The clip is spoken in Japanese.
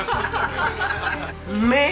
うめえ。